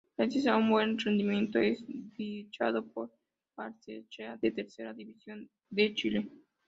Gracias a un buen rendimiento, es fichado por Barnechea de Tercera División de Chile.